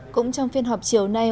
cũng trong phiên họp chiều nay